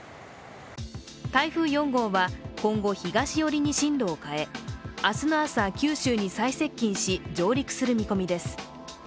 台風４号は今後、東寄りに進路を変え、明日の朝、九州に最接近し上陸する見込みです。